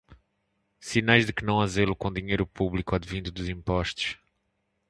Sinais de que não há zelo com o dinheiro público advindo dos impostos